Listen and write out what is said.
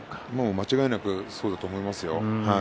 間違いなくそうだと思いますよ。